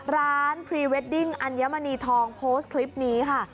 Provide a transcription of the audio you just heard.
พรีเวดดิ้งอัญมณีทองโพสต์คลิปนี้ค่ะ